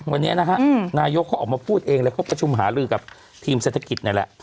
วันนี้นะฮะนายกเขาออกมาพูดเองแล้วก็ประชุมหาลือกับทีมเศรษฐกิจนี่แหละ